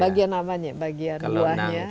bagian apa ya bagian luahnya